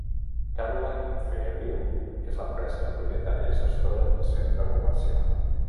Cadillac Fairview és l'empresa propietària i gestora del centre comercial.